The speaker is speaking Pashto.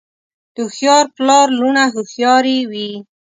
د هوښیار پلار لوڼه هوښیارې وي.